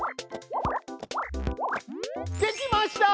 できました！